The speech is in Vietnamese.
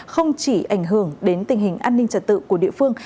không chỉ ảnh hưởng đến tình hình an ninh trật tự của địa phương